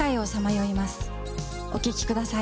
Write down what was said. お聴きください。